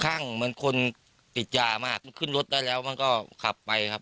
ข้างเหมือนคนติดยามากขึ้นรถได้แล้วมันก็ขับไปครับ